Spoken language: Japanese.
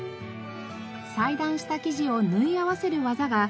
裁断した生地を縫い合わせる技が関東縫い。